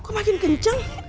kok makin kenceng